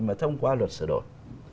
mà thông qua luật sửa đổi